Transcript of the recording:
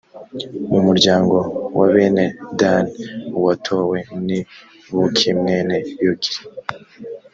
mu muryango wa bene dani, uwatowe ni buki mwene yogili.